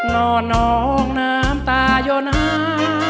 นอนออกน้ำตาโยน้ำ